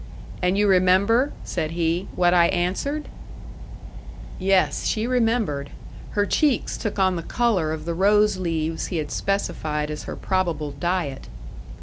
"And you remember," said he, "what I answered?" Yes, she remembered! Her cheeks took on the colour of the rose leaves he had specified as her probable diet.